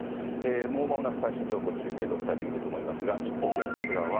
もうまもなく最新情報、中継でお伝えできると思いますが、一方、検察側は。